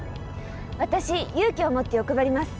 私勇気をもって欲張ります。